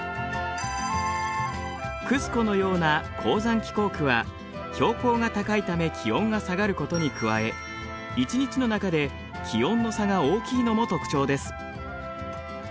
クスコのような高山気候区は標高が高いため気温が下がることに加え一日の中で気温の差が大きいのも特徴です。